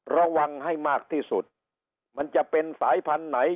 ระวังให้มากที่สุดมันจะเป็นสายพันธุ์ไหน